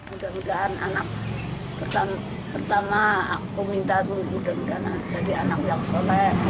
mudah mudahan anak pertama aku minta aku mudah mudahan jadi anak yang soleh